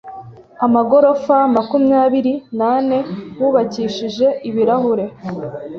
amagorofa makumyabiri nane wubakishije ibirahure